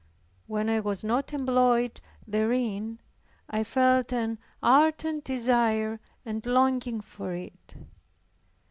When I was not employed therein, I felt an ardent desire and longing for it.